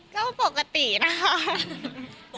ก็ปกตินะคะ